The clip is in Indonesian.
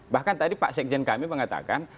bahkan tadi pak sekjen kami mengatakan